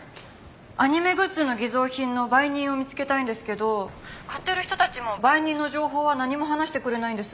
アニメグッズの偽造品の売人を見つけたいんですけど買ってる人たちも売人の情報は何も話してくれないんです。